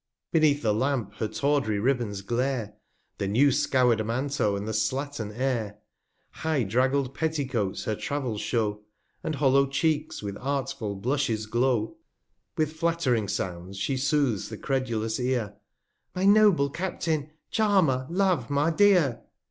8fl flt|l I R I r I A 43 Beneath the Lamp her tawdry Ribbons glare, The new scower'd Manteau, and the slattern Air; High draggled Petticoats her Travels show, 271 And hollow Cheeks with artful Blushes glow; With flattering Sounds she sooths the cred'lous Ear, My noble Captain ! Charmer ! Love ! my Dear